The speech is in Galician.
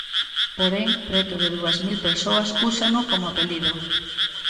Porén, preto de dúas mil persoas úsano como apelido.